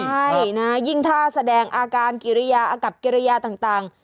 ใช่นะยิ่งถ้าแสดงอาการกิริยาอากับกิริยาต่าง